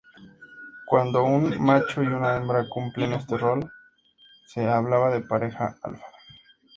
Cuando un macho y una hembra cumplen este rol se hablaba de pareja alfa.